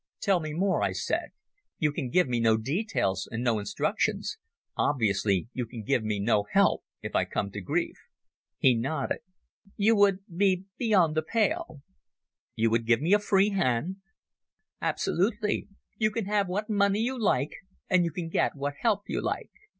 "Tell me more," I said. "You can give me no details and no instructions. Obviously you can give me no help if I come to grief." He nodded. "You would be beyond the pale." "You give me a free hand." "Absolutely. You can have what money you like, and you can get what help you like.